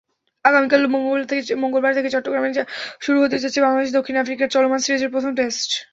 আগামীকাল মঙ্গলবার থেকে চট্টগ্রামে শুরু হতে যাচ্ছে বাংলাদেশ-দক্ষিণ আফ্রিকার চলমান সিরিজের প্রথম টেস্ট।